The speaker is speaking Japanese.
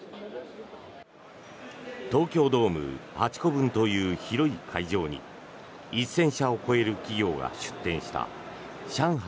東京ドーム８個分という広い会場に１０００社を超える企業が出展した上海